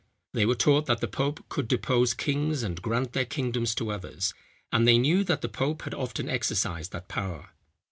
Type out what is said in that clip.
They were taught that the pope could depose kings and grant their kingdoms to others; and they knew that the pope had often exercised that power.